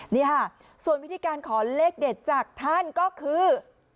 นี่ค่ะส่วนวิธีการขอเลขเด็ดจากท่านก็คือ